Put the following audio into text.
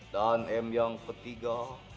dan m yang ketiga